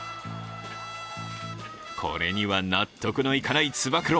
これには納得のいかないつば九郎。